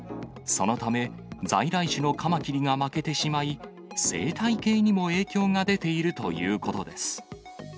そのため、在来種のカマキリが負けてしまい、生態系にも影響が出ているということです。